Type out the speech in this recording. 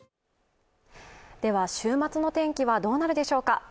週末の天気はどうなるでしょうか。